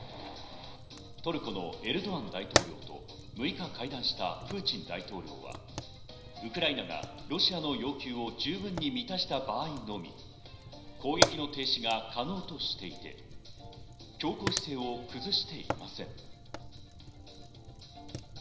トルコのエルドアン大統領と６日会談したプーチン大統領はウクライナがロシアの要求を十分に満たした場合のみ攻撃の停止が可能としていて、強硬姿勢を崩していません。